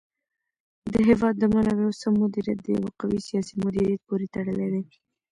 د هېواد د منابعو سم مدیریت د یو قوي سیاسي مدیریت پورې تړلی دی.